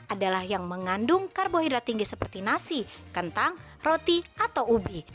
adalah yang mengandung karbohidrat tinggi seperti nasi kentang roti atau ubi